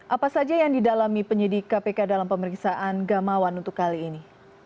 apa saja yang didalami penyidik kpk dalam pemeriksaan gamawan untuk kali ini